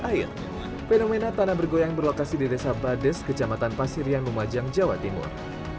air fenomena tanah bergoyang berlokasi di desa bades kejamatan pasir yang memajang jawa timur